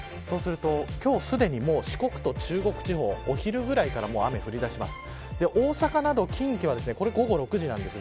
今日すでに四国と中国地方お昼ぐらいから雨が降り出します。